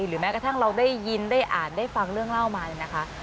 หรือแม้กระทั่งเราได้ยินได้อ่านได้ฟังเรื่องเล่ามาเนี่ยนะคะ